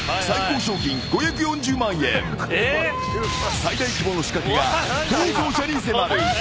［最大規模の仕掛けが逃走者に迫る］